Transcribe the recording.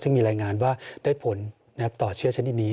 ซึ่งมีรายงานว่าได้ผลต่อเชื้อชนิดนี้